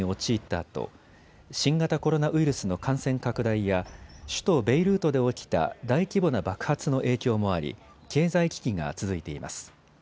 あと新型コロナウイルスの感染拡大や首都ベイルートで起きた大規模な爆発の影響もあり経済危機が続いています。